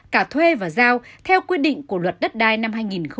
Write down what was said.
cả thuê và giao theo quy định của luật đất đai năm hai nghìn một mươi ba